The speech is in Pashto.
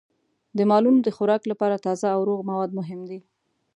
د مالونو د خوراک لپاره تازه او روغ مواد مهم دي.